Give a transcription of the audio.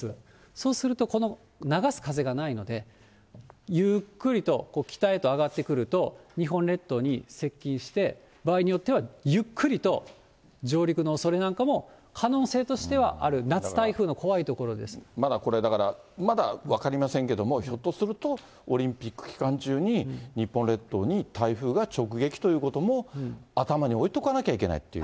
そうすると、この流す風がないので、ゆっくりと北へと上がってくると、日本列島に接近して、場合によっては、ゆっくりと上陸のおそれなんかも、可能性としてはある、まだこれ、だから、まだ分かりませんけれども、ひょっとするとオリンピック期間中に日本列島に台風が直撃ということも、頭に置いとかなきゃいけないという。